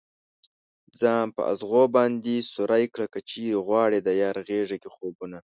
ځان په ازغو باندې سوری كړه كه چېرې غواړې ديار غېږه كې خوبونه